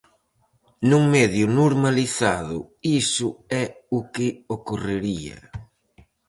Nun medio normalizado iso é o que ocorrería.